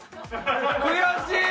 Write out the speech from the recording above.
悔しい！